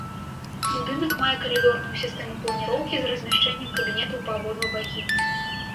Будынак мае калідорную сістэму планіроўкі з размяшчэннем кабінетаў па абодва бакі.